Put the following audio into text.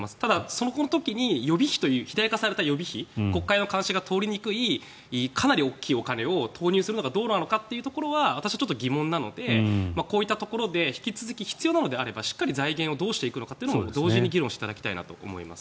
その時に肥大化された予備費国会の監視が通りにくいかなり大きいお金を投入するのかどうかというのは疑問なのでこういったところで引き続き必要なのであればしっかり財源をどうするのか同時に議論していただきたいなと思います。